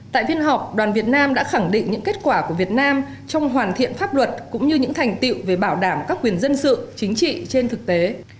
tại phiên họp đoàn việt nam đã khẳng định những kết quả của việt nam trong hoàn thiện pháp luật cũng như những thành tiệu về bảo đảm các quyền dân sự chính trị trên thực tế